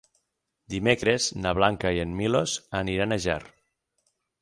Dimecres na Blanca i en Milos aniran a Ger.